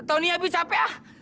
tau nih abi capek